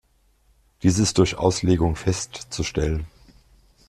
Dies ist durch Auslegung festzustellen.